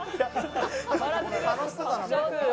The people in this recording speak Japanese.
楽しそうだな。